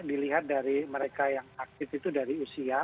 dilihat dari mereka yang aktif itu dari usia